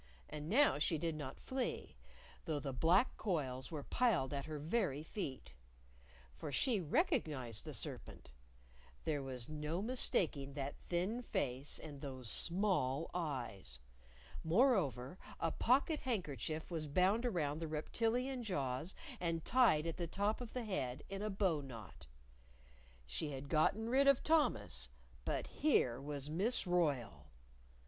And now she did not flee, though the black coils were piled at her very feet. For she recognized the serpent. There was no mistaking that thin face and those small eyes. Moreover, a pocket handkerchief was bound round the reptilian jaws and tied at the top of the head in a bow knot. She had gotten rid of Thomas. But here was Miss Royle!